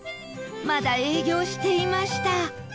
まだ営業していました